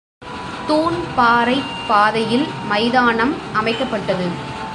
தூண்பாறைப் பாதையில் மைதானம் அமைக்கப்பட்டது.